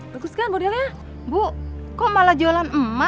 bukan senang banget